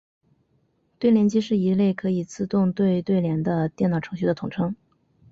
对联机是一类可以自动对对联的电脑程序的统称。